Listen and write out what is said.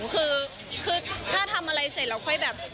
คือถ้าทำอะไรเสร็จเราค่อยแบบ